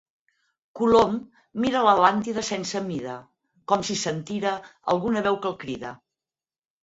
Colom mira l'Atlàntida sense mida, com si sentira alguna veu que el crida.